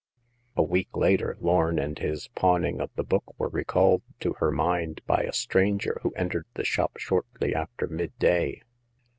A week later, Lorn and his pawning of the book were recalled to her mind by a stranger who entered the shop shortly after midday.